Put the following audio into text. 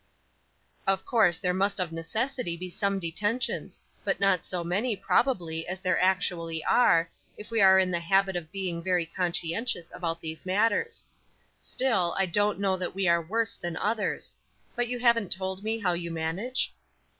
"Of course there must of necessity be some detentions; but not so many, probably, as there actually are, if we were in the habit of being very conscientious about these matters; still, I don't know that we are worse than others. But you haven't told me how you manage?"